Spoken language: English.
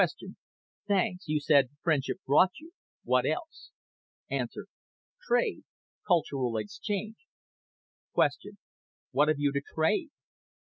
THANKS. YOU SAID FRIENDSHIP BROUGHT YOU. WHAT ELSE. A. TRADE. CULTURAL EXCHANGE Q. WHAT HAVE YOU TO TRADE A.